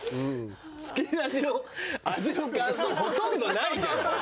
つきだしの味の感想ほとんどないじゃん。